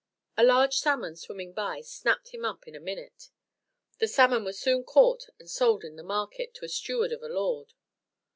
A large salmon swimming by snapped him up in a minute. The salmon was soon caught and sold in the market to a steward of a lord.